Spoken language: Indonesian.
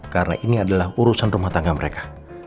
karena ini adalah urusan rumah tangga mereka